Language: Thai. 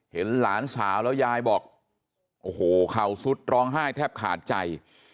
เห็นหลานสาวแล้วยายบอกโอ้โหเข่าสุดร้องไห้แทบขาดใจ